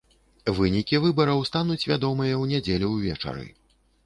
Вынікі выбараў стануць вядомыя ў нядзелю ўвечары.